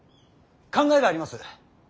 考えがあります。